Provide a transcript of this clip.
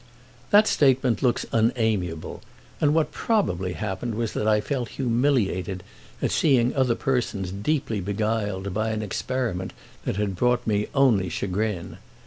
That statement looks unamiable, and what probably happened was that I felt humiliated at seeing other persons deeply beguiled by an experiment that had brought me only chagrin.